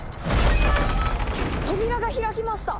扉が開きました！